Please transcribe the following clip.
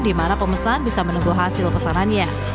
di mana pemesan bisa menunggu hasil pesanannya